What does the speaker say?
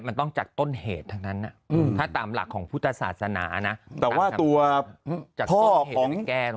มันต้องจากต้นเหตุทั้งนั้นถ้าตามหลักของพุทธศาสนานะแต่ว่าตัวจากพ่อของแก